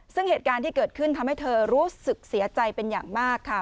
ซึ่งเหตุการณ์ที่เกิดขึ้นทำให้เธอรู้สึกเสียใจเป็นอย่างมากค่ะ